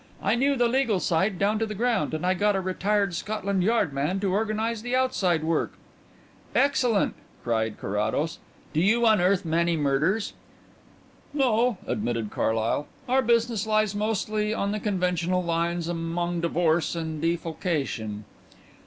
I knew the legal side down to the ground and I got a retired Scotland Yard man to organize the outside work." "Excellent!" cried Carrados. "Do you unearth many murders?" "No," admitted Mr Carlyle; "our business lies mostly on the conventional lines among divorce and defalcation."